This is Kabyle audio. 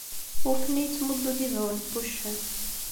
Ufni yettmuddu-d ibawen n wuccen.